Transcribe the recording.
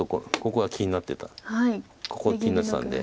ここが気になってたんで。